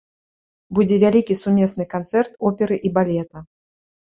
Будзе вялікі сумесны канцэрт оперы і балета.